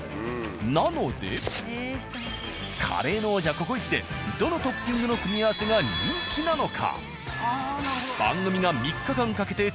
なのでカレーの王者「ココイチ」でどのトッピングの組み合わせが人気なのか。